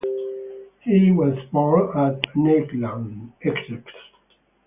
He was born at Neyland, Essex.